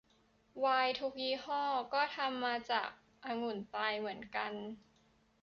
ไวน์ทุกยี่ห้อก็ทำมาจากองุ่นตายเหมือนกัน